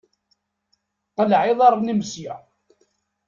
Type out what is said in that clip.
Qleɛ iḍaṛṛen-im sya!